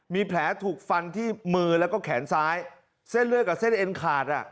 มีแผลถูกฟันที่มือแล้วก็แขนซ้ายเส้นเลือดกับเส้นเอ็นขาดอ่ะ